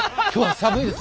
寒いです。